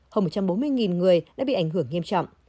hơn một trăm bốn mươi người đã bị ảnh hưởng nghiêm trọng